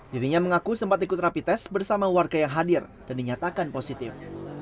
dirinya mengaku sempat ikut rapi tes bersama warga yang hadir dan dinyatakan positif